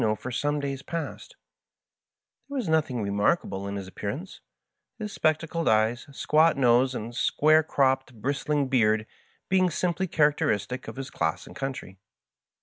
Casmo for some days past Tliere was nothisg remark able in his appearance, his spectacled eyes, squat nose, and square cropped bristling beard being simply charac teristic of his class and country.